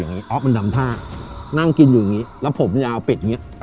อ๊อฟมันทำท่านั่งกินอยู่อย่างนี้แล้วผมจะเอาเป็ดอย่างนี้